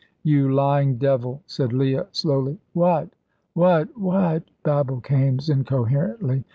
"You lying devil," said Leah, slowly. "What? what? what?" babbled Kaimes, incoherently.